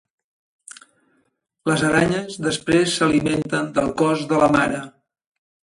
Les aranyes després s'alimenten del cos de la mare.